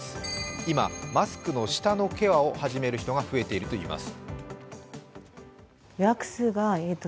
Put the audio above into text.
今、マスクの下のケアを始める人が増えています。